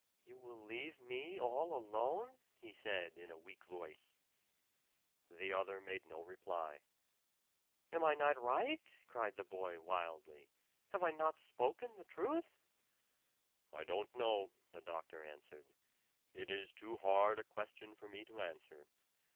"You will leave me all alone?" he said in a weak voice. The other made no reply. "Am I not right?" cried the boy wildly. "Have I not spoken the truth?" "I don't know," the doctor answered. "It is too hard a question for me to answer.